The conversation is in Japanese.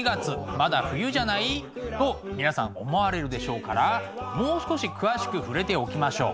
「まだ冬じゃない？」と皆さん思われるでしょうからもう少し詳しく触れておきましょう。